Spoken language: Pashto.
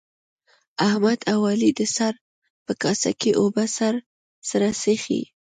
احمد او علي د سر په کاسه کې اوبه سره څښي.